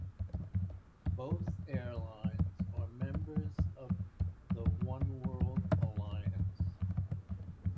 Both airlines are members of the Oneworld alliance.